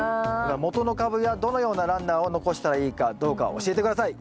元の株やどのようなランナーを残したらいいかどうか教えて下さい。